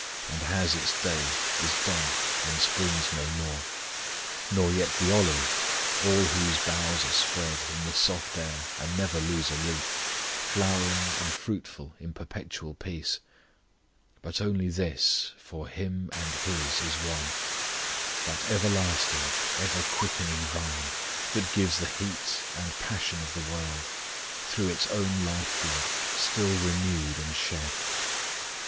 And has its day, is done, and springs no more; Nor yet the olive, all whose boughs are spread In the soft air, and never lose a leaf, Flowering and fruitful in perpetual peace; But only this, for Him and His is one, That everlasting, ever quickening Vine, That gives the heat and passion of the world, Through its own life blood, still renewed and shed.